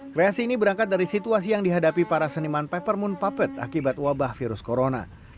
kreasi ini berangkat dari situasi yang dihadapi para seniman peppermint puppet akibat wabah virus corona